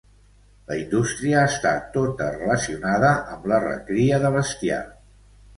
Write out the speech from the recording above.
La indústria està tota relacionada amb la recria de bestiar.